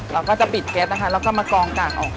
เราก็จะปิดเก็ตนะคะแล้วก็มากองกากออก